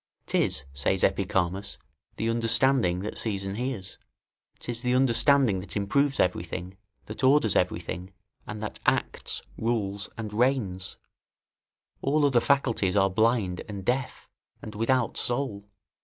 'Tis, says Epicharmus, the understanding that sees and hears, 'tis the understanding that improves everything, that orders everything, and that acts, rules, and reigns: all other faculties are blind, and deaf, and without soul.